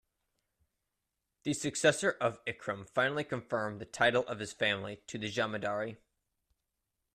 The successor of Ikram finally confirmed the title of his family to the Jamidari.